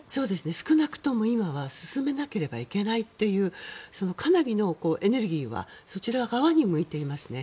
少なくとも今は進めなければいけないというかなりのエネルギーはそちら側に向いていますね。